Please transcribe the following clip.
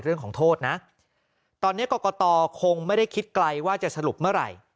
เรื่องของโทษนะตอนนี้กรกตคงไม่ได้คิดไกลว่าจะสรุปเมื่อไหร่